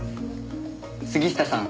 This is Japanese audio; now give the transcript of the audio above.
杉下さん